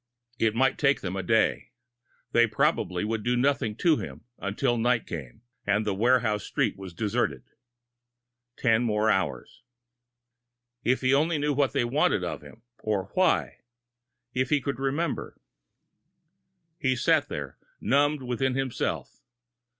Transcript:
It might take them a day they probably would do nothing to him until night came, and the warehouse street was deserted! Ten more hours! If he only knew what they wanted of him, or why! If he could remember! He sat there, numbed within himself.